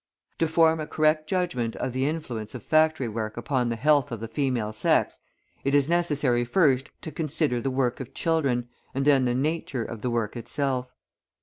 To form a correct judgment of the influence of factory work upon the health of the female sex, it is necessary first to consider the work of children, and then the nature of the work itself.